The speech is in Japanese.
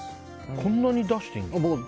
こんなに出していいんですか。